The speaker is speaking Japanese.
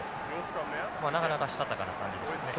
なかなかしたたかな感じでしたね。